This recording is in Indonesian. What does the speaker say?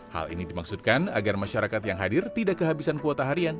hal ini dimaksudkan agar masyarakat yang hadir tidak kehabisan kuota harian